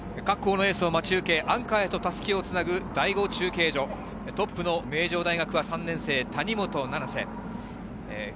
各校のエースを待ち受け、アンカーへと襷をつなぐ第５中継所、トップの名城大学は３年生・谷本七星。